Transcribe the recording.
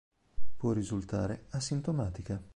Può risultare asintomatica.